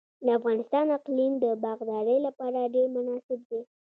د افغانستان اقلیم د باغدارۍ لپاره ډیر مناسب دی.